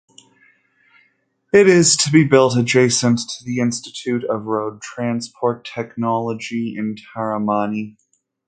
It is to be built adjacent to Institute of Road Transport Technology in Taramani.